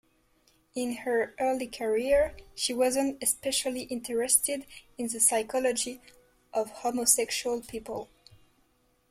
In her early career, she wasn't especially interested in the psychology of homosexual people.